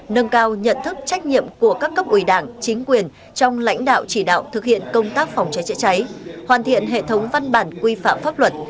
nâng cao nhận thức trách nhiệm của các cấp ủy đảng chính quyền trong lãnh đạo chỉ đạo thực hiện công tác phòng cháy chữa cháy hoàn thiện hệ thống văn bản quy phạm pháp luật